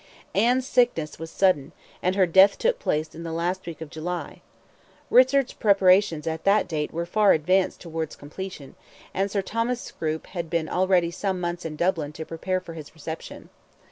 Anne's sickness was sudden, and her death took place in the last week of July. Richard's preparations at that date were far advanced towards completion, and Sir Thomas Scroope had been already some months in Dublin to prepare for his reception.